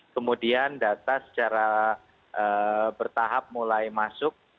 kemudian data secara bertahap mulai masuk